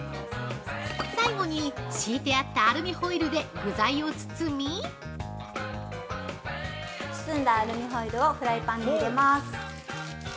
最後に、敷いてあったアルミホイルで具材を包み◆包んだアルミホイルをフライパンに入れます。